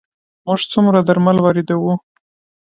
موږ څومره درمل واردوو؟